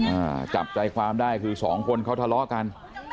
อ่าจับใจความได้คือสองคนเขาทะเลาะกัน